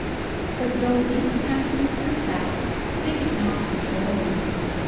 But though these fancies possessed, they did not control me.